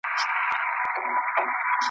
چي به کله د دمې لپاره تم سو ,